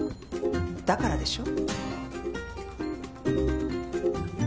だからでしょ？